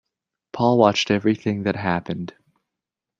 Paul watched everything that happened.